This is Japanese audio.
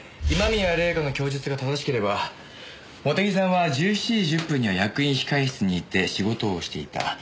今宮礼夏の供述が正しければ茂手木さんは１７時１０分には役員控室にいて仕事をしていた。